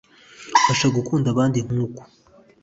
mfasha gukunda abandi, nkuko